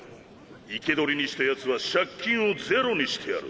生け捕りにしたヤツは借金をゼロにしてやる。